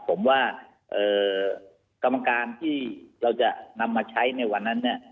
ผมว่ากรรมการที่เราจะนำมาใช้ในวันนั้นเนี่ย